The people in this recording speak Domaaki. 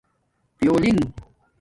پھّݸ لنݣ